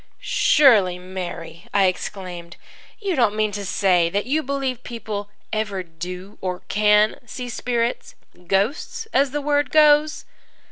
"Surely, Mary," I exclaimed, "you don't mean to say that you believe people ever do or can see spirits ghosts, as the word goes?"